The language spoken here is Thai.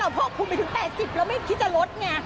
แล้วแม่กิ๊กเราไม่คิดจะลดเนี่ย